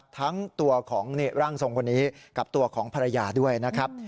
ทั้งตัวของร่างทรงคนนี้กับตัวของภรรยาด้วยนะครับ